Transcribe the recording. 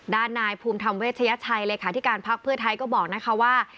นายภูมิธรรมเวชยชัยเลขาธิการพักเพื่อไทยก็บอกนะคะว่า